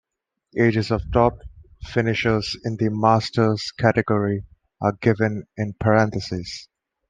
Ages of top finishers in the Masters category are given in parentheses.